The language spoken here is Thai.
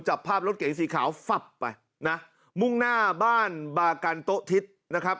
จับภาพรถเก๋งสีขาวฟับไปนะมุ่งหน้าบ้านบากันโต๊ะทิศนะครับ